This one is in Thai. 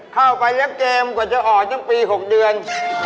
เขาไปเรียกเกมกว่าจะออกอย่างปีหกเดือน